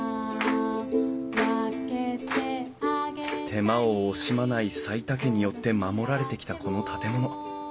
手間を惜しまない齋田家によって守られてきたこの建物。